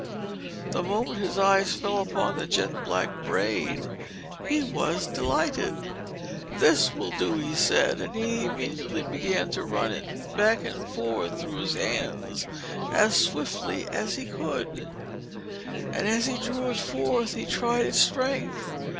The moment his eye fell upon the jet black braid he was delighted. "This will do," he said, and he immediately began to run it back and forth through his hands as swiftly as he could; and as he drew it forth, he tried its strength.